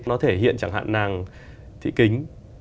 nó thể hiện chẳng hạn nàng thị kính